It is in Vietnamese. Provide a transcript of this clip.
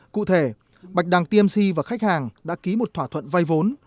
cụ thể bạch đằng tmc và khách hàng đã ký một thỏa thuận vay vốn